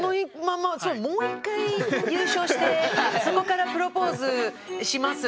そうもう一回優勝してそこからプロポーズします。